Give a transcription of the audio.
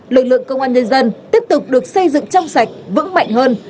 lực lượng công an nhân dân tiếp tục được xây dựng trong sạch vững mạnh hơn